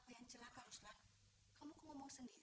hai memangnya segampang itu megang percaya sama kamu sini lu akhirnya ini